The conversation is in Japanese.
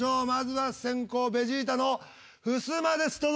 まずは先攻ベジータのふすまです。